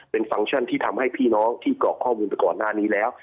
เป็นฟังก์ชั่นที่ทำให้พี่น้องที่กรอกข้อมูลไปก่อนหน้านี้แล้ว